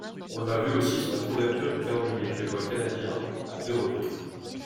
On l'a vue aussi sur la couverture du calendrier Playboy canadien à deux reprises.